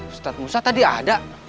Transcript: ustadz musa tadi ada